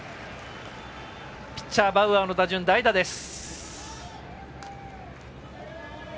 ピッチャー、バウアーの打順代打です。